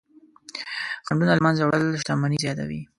خنډونه له منځه وړل شتمني زیاتوي.